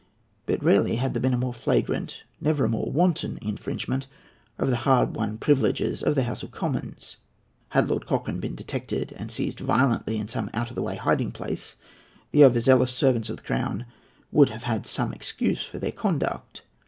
But rarely had there been a more flagrant, never a more wanton, infringement of the hardly won privileges of the House of Commons. Had Lord Cochrane been detected and seized violently in some out of the way hiding place, the over zealous servants of the Crown would have had some excuse for their conduct.